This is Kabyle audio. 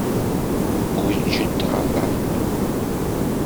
Gguǧǧent ɣer Lalman.